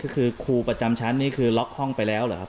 คือครูประจำชั้นนี่คือล็อกห้องไปแล้วเหรอครับ